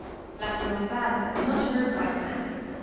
Blacks not bad, not hurt white man.